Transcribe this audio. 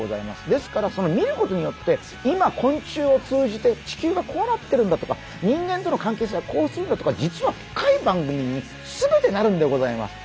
ですから見ることによって今昆虫を通じて地球がこうなってるんだとか人間との関係性はこうするんだとか実は深い番組に全てなるんでございます。